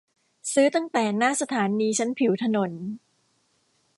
ซื้อตั้งแต่หน้าสถานีชั้นผิวถนน